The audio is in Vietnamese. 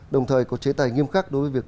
đồng thời có chế tài nghiêm khắc đối với việc